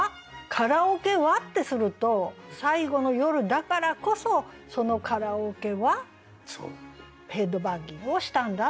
「カラオケは」ってすると最後の夜だからこそそのカラオケはヘッドバンギングをしたんだ。